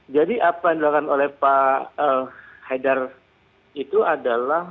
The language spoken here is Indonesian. jadi apa yang dilakukan oleh pak hedan itu adalah